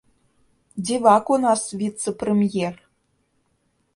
Дзівак у нас у віцэ-прэм'ер!